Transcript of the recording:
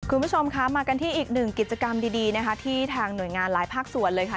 คุณผู้ชมคะมากันที่อีกหนึ่งกิจกรรมดีนะคะที่ทางหน่วยงานหลายภาคส่วนเลยค่ะ